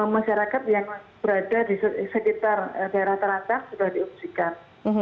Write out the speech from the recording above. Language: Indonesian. masyarakat yang berada di sekitar daerah terangkat sudah di erupsikan